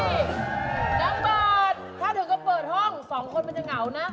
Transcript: ยางบอตถ้าถึงก็เปิดห้องสองคนนึงจะเหงานะ